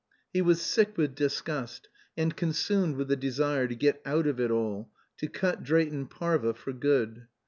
He was sick with disgust, and consumed with the desire to get out of it all, to cut Drayton Parva for good.